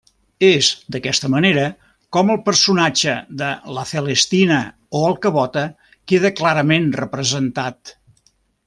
És d'aquesta manera, com el personatge de La Celestina o alcavota queda clarament representat.